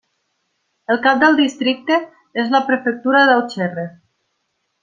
El cap del districte és la prefectura d'Auxerre.